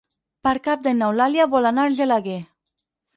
Per Cap d'Any n'Eulàlia vol anar a Argelaguer.